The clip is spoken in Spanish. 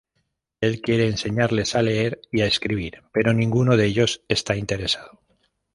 Él quiere enseñarles a leer y a escribir, pero ninguno de ellos está interesado.